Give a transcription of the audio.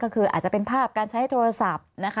อาจจะเป็นภาพการใช้โทรศัพท์